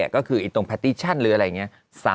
ก็คือตรงแพตติชั่นหรืออะไรอย่างนี้